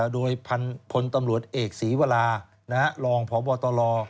โดยพลตำรวจเอกศรีวรารองพบตล